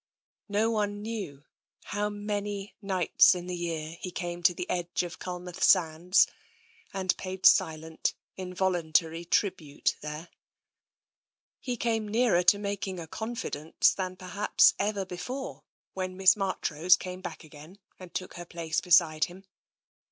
TENSION 71 No one knew how many nights in the year he came to the edge of Culmouth sands and paid silent, invol untary tribute there. He came nearer to making a confidence than per haps ever before when Miss Marchrose came back again, and took her place beside him.